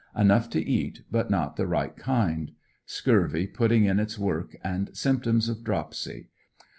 Enough to eat but not the right kind. Scurvy putting in its work, and symptoms of dropsy.